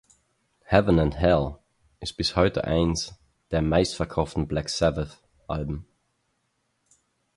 Heaven and Hell ist bis heute eines der meistverkauften Black Sabbath-Alben.